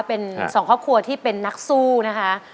เป็นสองครอบครัวที่เป็นนักสู้นะคะ